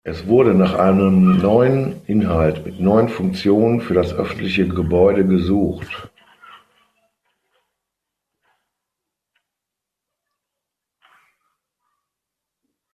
Es wurde nach einem neuen Inhalt mit neuen Funktionen für das öffentliche Gebäude gesucht.